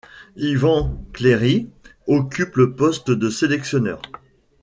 Ivan Cleary occupe le poste de sélectionneur.